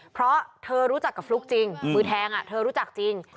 เพราะเธอรู้จักกับฟลุ๊กจริงมือแทงเธอรู้จักจริง